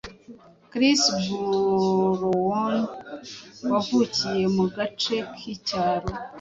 Chris Brown wavukiye mu gace k’icyaro